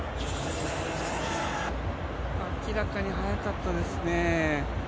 明らかに早かったですね。